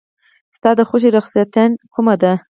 ستا د خوښې رخصتیا کومه ده؟